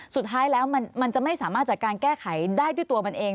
สุดท้ายแล้วมันจะไม่สามารถจัดการแก้ไขได้ด้วยตัวมันเอง